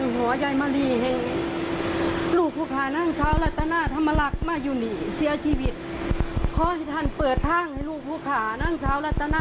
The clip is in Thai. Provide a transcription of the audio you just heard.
ให้เขารับเวทกรรมที่เขาเห็น